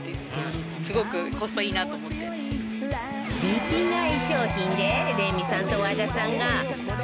リピ買い商品でレミさんと和田さんが超簡単！